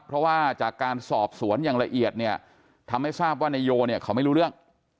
เพราะว่าจากการสอบสวนอย่างละเอียดเนี่ยทำให้ทราบว่านายโยเนี่ยเขาไม่รู้เรื่อง